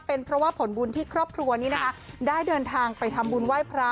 เป็นเพราะว่าผลบุญที่ครอบครัวนี้นะคะได้เดินทางไปทำบุญไหว้พระ